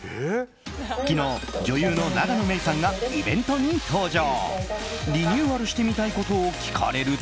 昨日、女優の永野芽郁さんがイベントに登場。